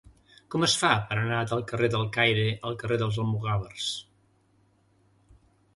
Com es fa per anar del carrer del Caire al carrer dels Almogàvers?